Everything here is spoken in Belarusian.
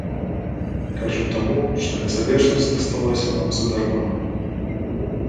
Кажуць, таму, што незалежнасць дасталася нам задарма.